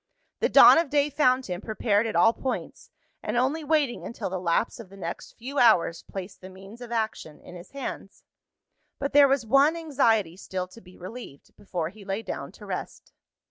The dawn of day found him prepared at all points, and only waiting until the lapse of the next few hours placed the means of action in his hands. But there was one anxiety still to be relieved, before he lay down to rest.